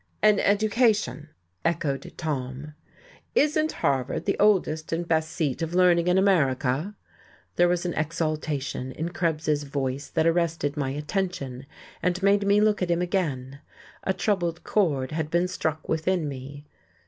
"An education!" echoed Tom. "Isn't Harvard the oldest and best seat of learning in America?" There was an exaltation in Krebs's voice that arrested my attention, and made me look at him again. A troubled chord had been struck within me.